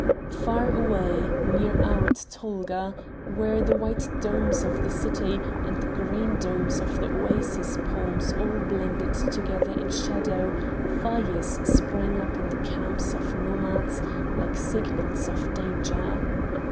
Far away, near Oued Tolga, where the white domes of the city and the green domes of the oasis palms all blended together in shadow, fires sprang up in the camps of nomads, like signals of danger.